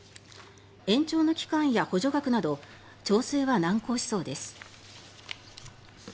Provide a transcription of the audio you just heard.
延長の期間や補助額など調整は難航しそうです。